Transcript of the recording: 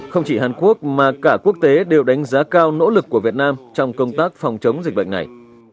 không chỉ hàn quốc mà cả quốc tế đều đánh giá cao nỗ lực của việt nam trong công tác phòng chống dịch bệnh này